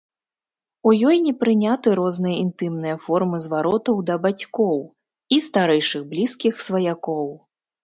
У ёй не прыняты розныя інтымныя формы зваротаў да бацькоў і старэйшых блізкіх сваякоў.